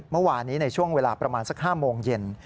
เมื่อวานนี้ในช่วงเวลาประมาณสัก๕โมงเย็น